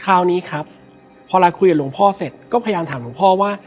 คราวนี้ครับพอไลน์คุยกับหลวงพ่อเสร็จก็พยายามถามหลวงพ่อว่า